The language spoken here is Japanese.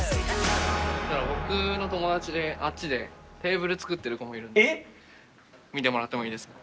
僕の友達であっちでテーブル作ってる子もいるんで見てもらってもいいですか？